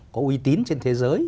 có uy tín trên thế giới